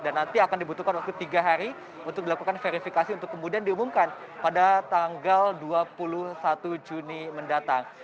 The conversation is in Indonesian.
dan nanti akan dibutuhkan waktu tiga hari untuk dilakukan verifikasi untuk kemudian diumumkan pada tanggal dua puluh satu juni mendatang